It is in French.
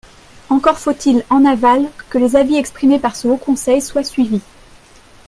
Encore faut-il, en aval, que les avis exprimés par ce Haut conseil soient suivis.